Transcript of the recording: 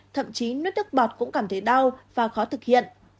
thậm chí nuốt nước bọt cũng cảm thấy đau và khó thực hiện